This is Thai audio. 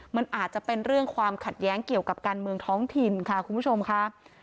มันอาจจะเป็นเรื่องความขัดแย้งเกี่ยวกับการเมืองท้องถิ่นค่ะคุณผู้ชมค่ะ